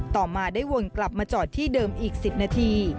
ต่อมาได้วนกลับมาจอดที่เดิมอีก๑๐นาที